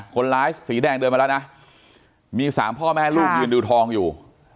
คนร้ายสีแดงเดินมาแล้วนะมี๓พ่อแม่ลูกยืนดูทองอยู่